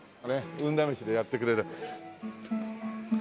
運試しでやってくれる。